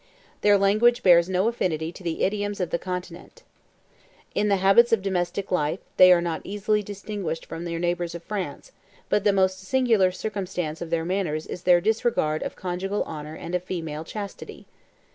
Their language bears no affinity to the idioms of the Continent: in the habits of domestic life, they are not easily distinguished from their neighbors of France: but the most singular circumstance of their manners is their disregard of conjugal honor and of female chastity.